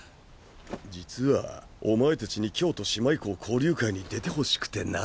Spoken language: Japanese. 実はお前たちに京都姉妹校交流会に出てほしくてな。